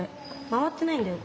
回ってないんだよ